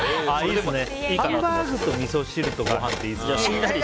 ハンバーグとみそ汁とごはんっていいですよね。